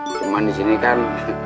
cuma disini kan